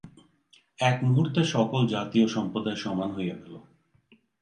এক মুহূর্তে সকল জাতি ও সম্প্রদায় সমান হইয়া গেল।